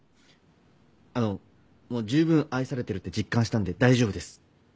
あのもうじゅうぶん愛されてるって実感したんで大丈夫です。